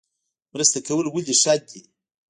مرسته کول ولې ښه دي؟